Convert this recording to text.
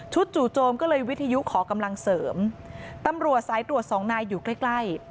จู่โจมก็เลยวิทยุขอกำลังเสริมตำรวจสายตรวจสองนายอยู่ใกล้ใกล้